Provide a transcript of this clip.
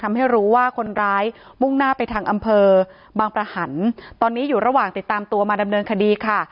ทำให้รู้ว่าคนร้ายมุ่งหน้าไปทางอำเภอบางประหันตอนนี้อยู่ระหว่างติดตามตัวมาดำเนินคดีค่ะ